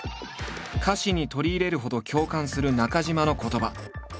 歌詞に取り入れるほど共感する中島の言葉。